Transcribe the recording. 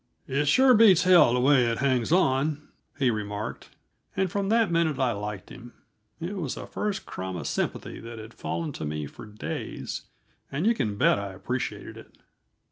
"It sure beats hell the way it hangs on," he remarked, and from that minute I liked him. It was the first crumb of sympathy that had fallen to me for days, and you can bet I appreciated it.